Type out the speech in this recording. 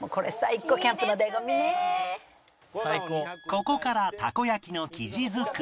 ここからたこ焼きの生地作り